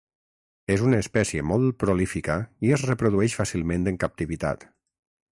És una espècie molt prolífica i es reprodueix fàcilment en captivitat.